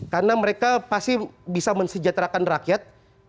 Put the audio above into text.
karena mereka pasti bisa mensejahterakan rakyat